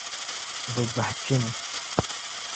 Bɛ gbahi kpini.